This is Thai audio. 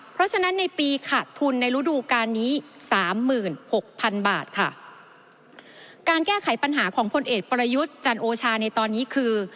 เพราะฉะนั้นในปีขาดทุนในฤดูการนี้สามหมื่นหกพันบาทค่ะการแก้ไขปัญหาของพลเอกประยุทธ์จันโอชาในตอนนี้คือ